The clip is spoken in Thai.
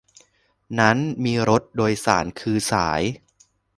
นั้นมีรถโดยสารคือสาย